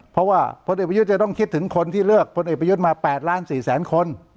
เพราะว่าพลเอกประยุทธ์จะต้องคิดถึงคนที่เลือกพลเอกประยุทธ์มา๘ล้าน๔แสนคน